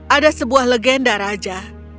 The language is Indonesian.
ada sebuah legenda raja